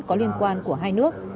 có liên quan của hai nước